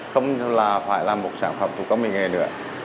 không phải là một sản phẩm thuộc công nghệ nghề nữa